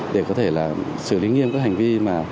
để có thể là xử lý nghiêm các hành vi mà